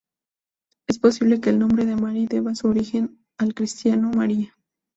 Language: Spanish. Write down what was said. Es posible que el nombre de Mari deba su origen al cristiano María.